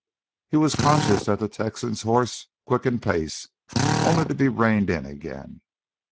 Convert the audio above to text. He was conscious that the Texan's horse quickened pace, only to be reined in again.